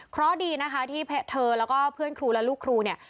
เพราะดีนะคะที่เธอแล้วก็เพื่อนครูและลูกครูเนี่ย